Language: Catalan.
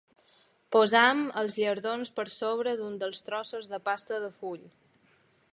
Posem els llardons per sobre d’un dels trossos de pasta de full.